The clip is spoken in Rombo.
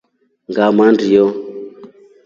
Ngamandyo.